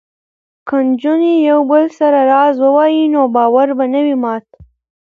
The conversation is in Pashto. که نجونې یو بل سره راز ووايي نو باور به نه وي مات.